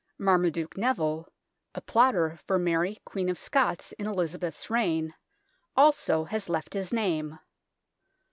Marmaduke Neville, a plotter for Mary Queen of Scots in Elizabeth's reign, also has left his name.